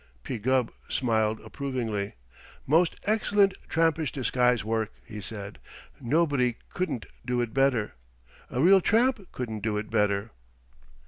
P. Gubb smiled approvingly. "Most excellent trampish disguise work," he said. "Nobody couldn't do it better. A real tramp couldn't do it better."